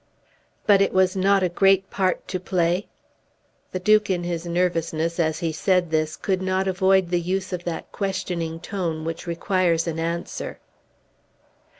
"But it was not a great part to play?" The Duke in his nervousness, as he said this, could not avoid the use of that questioning tone which requires an answer.